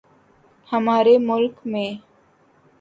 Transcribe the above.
ہمارے ملک میں